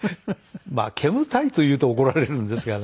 まあ煙たいと言うと怒られるんですがね